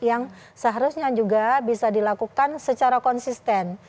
yang seharusnya juga bisa dilakukan secara konsisten